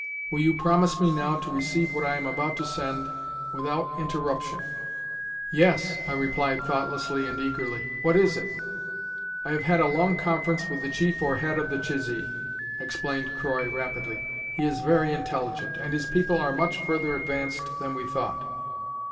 Will you promise me now to receive what I am about to send, without interruption?" "Yes," I replied, thoughtlessly and eagerly. "What is it?" "I have had a long conference with the chief or head of the Chisee," explained Croy rapidly. "He is very intelligent, and his people are much further advanced than we thought.